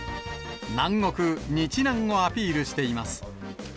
南国、日南をアピールしています。